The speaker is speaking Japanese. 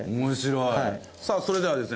さあそれではですね